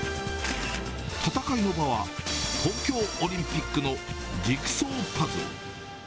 戦いの場は、東京オリンピックのジグソーパズル。